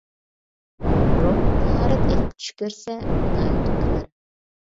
روھ تاھارەت ئىلىپ چۈش كۆرسە، گۇناھى تۆكۈلەر.